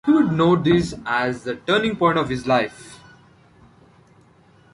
He would note this as the turning point of his life.